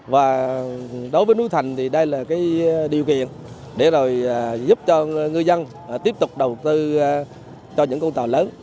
và đối với núi thành thì đây là điều kiện để rồi giúp cho ngư dân tiếp tục đầu tư cho những con tàu lớn